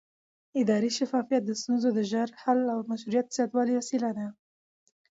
اداري شفافیت د ستونزو د ژر حل او مشروعیت د زیاتوالي وسیله ده